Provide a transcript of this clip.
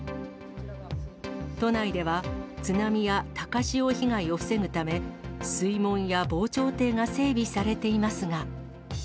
都内では津波や高潮被害を防ぐため、水門や防潮堤が整備されていますが。